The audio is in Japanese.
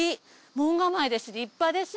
門構えです。